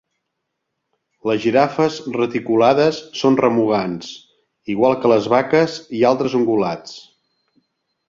Les girafes reticulades són remugants, igual que les vaques i altres ungulats.